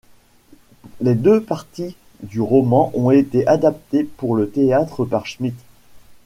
Les deux parties du roman ont été adaptées pour le théâtre par Schmitt.